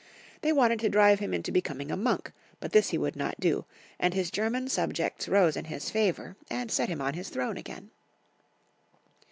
They wanted to diive him into becoming a monk, but this he would not do, and his German subjects rose in his favour, and set him on liis throne again.